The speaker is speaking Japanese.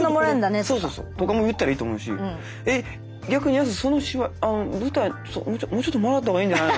そうそうそう。とかも言ったらいいと思うし「えっ逆にその芝居舞台もうちょっともらった方がいいんじゃないの？」